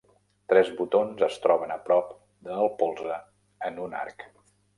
Tres botons es troben a prop de el polze en un arc.